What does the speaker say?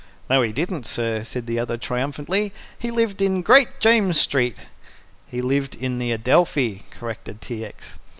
"No, we didn't, sir," said the other triumphantly. "He lived in Great James Street." "He lived in the Adelphi," corrected T. X.